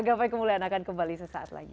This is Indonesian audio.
gapai kemuliaan akan kembali sesaat lagi